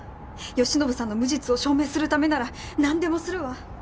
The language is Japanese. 善信さんの無実を証明するためならなんでもするわ。